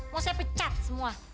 mau saya pecat semua